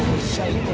bukain nya itu